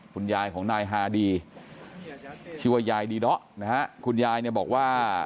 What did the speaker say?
คุณยายของนายฮาดีชีวยายดีเพราะคุณยายบอกว่า